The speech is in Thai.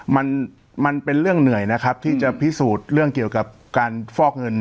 มันมันเป็นเรื่องเหนื่อยนะครับที่จะพิสูจน์เรื่องเกี่ยวกับการฟอกเงิน